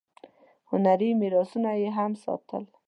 هنري میراثونه یې هم ساتل.